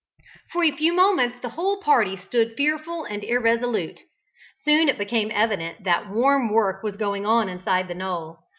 For a few moments the whole party stood fearful and irresolute. Soon it became evident that warm work was going on inside the knoll.